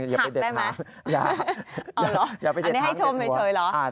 อย่าไปเด็ดทั้งอย่าอย่าอย่าไปเด็ดทั้งเด็ดหัวอันนี้ให้ชมเฉยหรือ